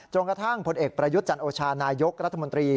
กระทั่งผลเอกประยุทธ์จันโอชานายกรัฐมนตรี